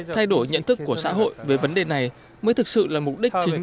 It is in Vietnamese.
thay đổi nhận thức của xã hội về vấn đề này mới thực sự là mục đích chính